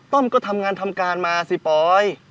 ้อมก็ทำงานทำการมาสิปอย